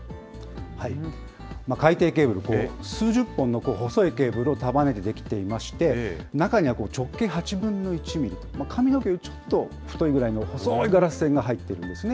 海底ケーブル、数十本の細いケーブルを束ねて出来ていまして、中には直径８分の１ミリと、髪の毛よりちょっと太いぐらいの細いガラス繊維が入っているんですね。